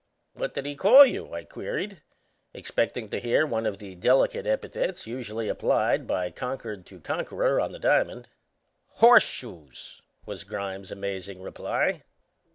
"What did he call you?" I queried, expecting to hear one of the delicate epithets usually applied by conquered to conqueror on the diamond. "'Horseshoes!'" was Grimes' amazing reply.